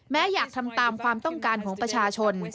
อยากทำตามความต้องการของประชาชน